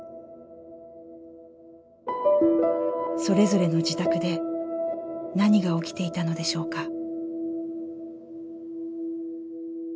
それぞれの自宅で何が起きていたのでしょうか。